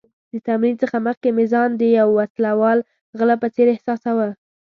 د تمرین څخه مخکې مې ځان د یو وسله وال غله په څېر احساساوه.